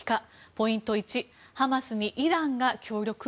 ポイント１ハマスにイランが協力？